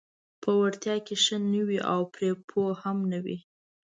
په وړتیا کې ښه نه وي او پرې پوه هم نه وي: